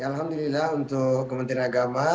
alhamdulillah untuk kementerian agama